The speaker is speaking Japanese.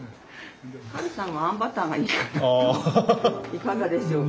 いかがでしょうか。